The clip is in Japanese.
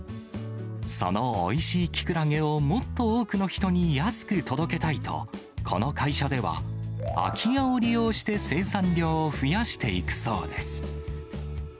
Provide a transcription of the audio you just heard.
そのおいしいきくらげをもっと多くの人に安く届けたいと、この会社では、空き家を利用して生産量を増やしていくそうです。